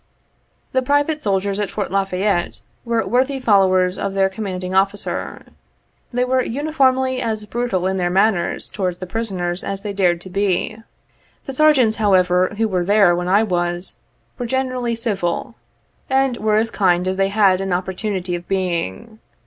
The private soldiers at Fort La Fayette were worthy followers of their commanding officer. They were uni formly as brutal in their manners towards the prisoners as they dared to be. The Sergeants, however, who were there when I was, were generally civil, and were as kind 44 as they had an opportunity of being.